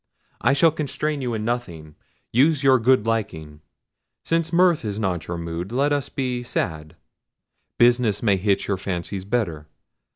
I shall constrain you in nothing: use your good liking. Since mirth is not your mood, let us be sad. Business may hit your fancies better.